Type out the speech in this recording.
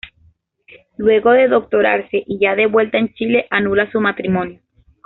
Luego de doctorarse y ya de vuelta en Chile, anula su matrimonio.